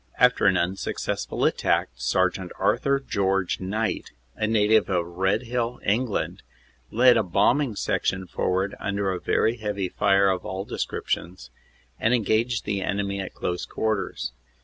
After an unsuccessful attack, Sergt. Arthur George Knight, a native of Redhill, England, led a bombing section forward under a OPERATIONS: SEPT. 1 3. CONTINUED 163 very heavy fire of all descriptions, and engaged the enemy at close quarters.